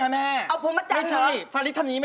มั่นใจจะให้พี่รอ